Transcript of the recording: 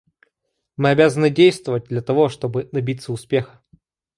Мы обязаны действовать, для того чтобы добиться успеха.